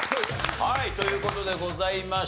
はいという事でございました。